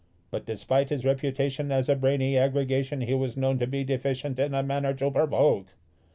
But despite his reputation as a brainy aggregation, he was known to be deficient in a manner to provoke.